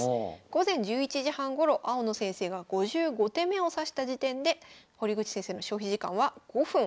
午前１１時半ごろ青野先生が５５手目を指した時点で堀口先生の消費時間は５分。